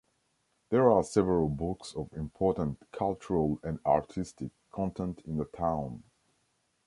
There are several books of important cultural and artistic content in the town.